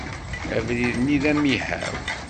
Abrid-nni d amihaw.